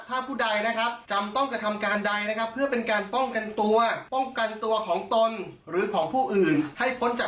ถ้าได้กระทำพอสมควรกายเหตุผู้นั้นไม่ต้องรับโทษ